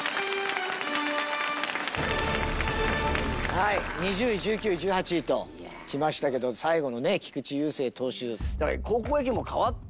はい２０位１９位１８位ときましたけど最後のね菊池雄星投手。